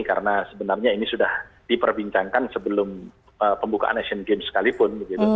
karena sebenarnya ini sudah diperbincangkan sebelum pembukaan asian games sekalipun